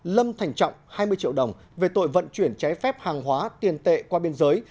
lâm thành trọng hai mươi triệu đồng về tội vận chuyển trái phép hàng hóa tiền tệ qua biên giới